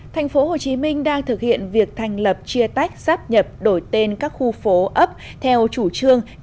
thành phố hồ chí minh đang thực hiện việc thành lập chia tách sắp nhập đổi tên các khu phố ấp theo chủ trương